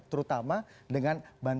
terutama dengan anggaran